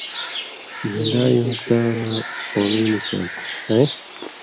جھن٘ڈا یُوں تار زاں قومی نشان تُھو